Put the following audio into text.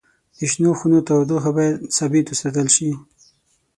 د شنو خونو تودوخه باید ثابت وساتل شي.